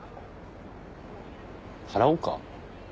払おうか？